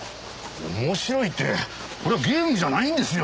面白いってこれはゲームじゃないんですよ？